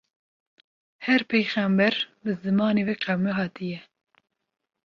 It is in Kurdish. her pêyxember bi zimanê wê qewmê hatiye.